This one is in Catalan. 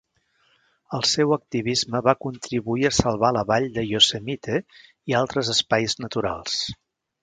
El seu activisme va contribuir a salvar la Vall de Yosemite i altres espais naturals.